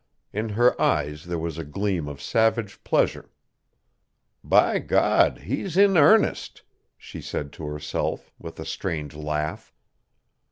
In her eyes there was a gleam of savage pleasure. "By God, he's in earnest!" she said to herself, with a strange laugh.